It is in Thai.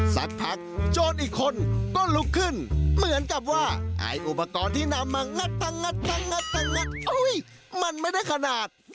สักพักโจรอีกคนก็ลุกขึ้นเหมือนกับว่าไอ้อุปกรณ์ที่นำมางัดตังมันไม่ได้ขนาด